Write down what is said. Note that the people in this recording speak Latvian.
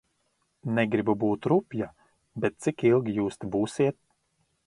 Negribu būt rupja, bet cik ilgi jūs te būsiet?